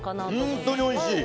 本当においしい。